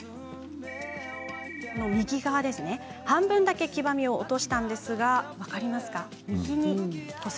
半分だけ黄ばみを落としたんですが分かりますか？